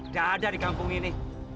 gak ada di kampung ini